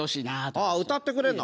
あっ歌ってくれるの？